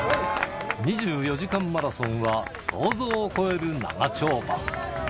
２４時間マラソンは想像を超える長丁場。